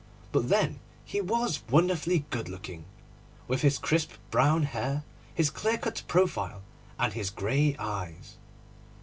But then he was wonderfully good looking, with his crisp brown hair, his clear cut profile, and his grey eyes.